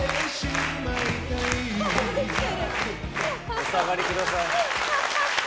お下がりください。